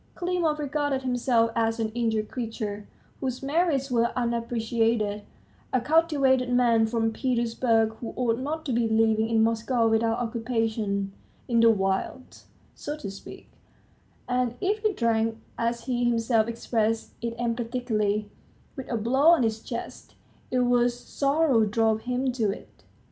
Klimov regarded himself as an injured creature, whose merits were unappreciated, a cultivated man from Petersburg, who ought not to be living in Moscow without occupation in the wilds, so to speak; and if he drank, as he himself expressed it emphatically, with a blow on his chest, it was sorrow drove him to it.